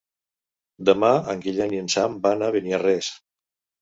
Demà en Guillem i en Sam van a Beniarrés.